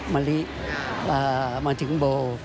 มะลิมาถึงโบ